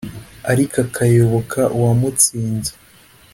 ariko akayoboka uwamutsinze.